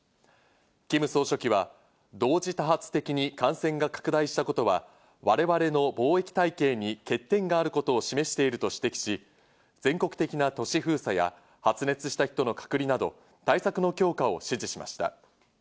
キム総書記は同時多発的に感染が拡大したことは我々の防疫体系に欠点があることを示していると指摘し、全国的な都市封鎖や発熱した人の隔離など、対策の強化を指示しました。